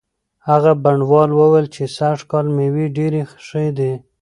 هغه بڼوال وویل چې سږکال مېوې ډېرې ښې دي.